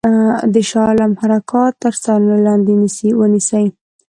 د شاه عالم حرکات تر څارني لاندي ونیسي.